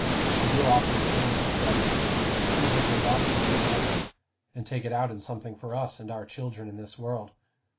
But we'll offer to change with them. We'll give them back some of their heaven, and take it out in something for us and our children in this world.